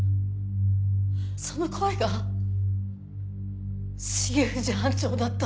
その声が重藤班長だった。